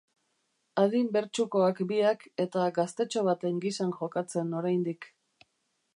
Adin bertsukoak biak, eta gaztetxo baten gisan jokatzen oraindik.